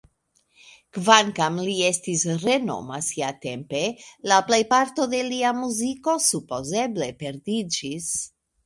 Kvankam li estis renoma siatempe, la plejparto de lia muziko supozeble perdiĝis.